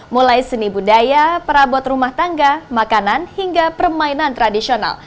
mulai seni budaya perabot rumah tangga makanan hingga permainan tradisional